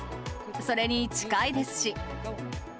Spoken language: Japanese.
それに近いですし。